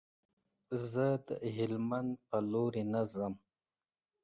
زه د هلمند په لوري نه ځم.